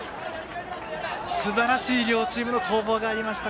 すばらしい両チームの攻防がありました